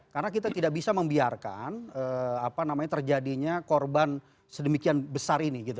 karena kita tidak bisa membiarkan terjadinya korban sedemikian besar ini